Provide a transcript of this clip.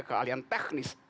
punya keahlian teknis